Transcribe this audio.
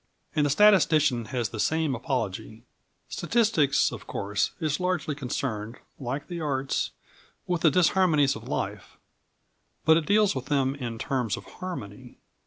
And the statistician has the same apology. Statistics, of course, is largely concerned, like the arts, with the disharmonies of life, but it deals with them in terms of harmony.